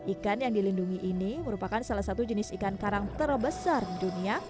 ikan yang dilindungi ini merupakan salah satu jenis ikan karang terbesar di dunia